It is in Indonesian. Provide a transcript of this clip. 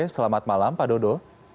selamat malam pak dodo